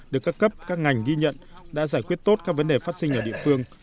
được các cấp các ngành ghi nhận đã giải quyết tốt các vấn đề phát sinh ở địa phương